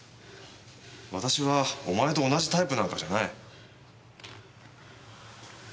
私はお前と同じタイプなんかじゃない。